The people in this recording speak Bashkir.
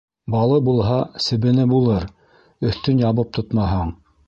Балы булһа, себене булыр, өҫтөн ябып тотмаһаң;